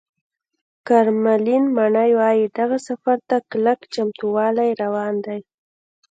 کرملین ماڼۍ وایي، دغه سفر ته کلک چمتووالی روان دی